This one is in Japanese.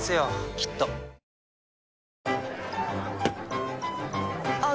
きっとあー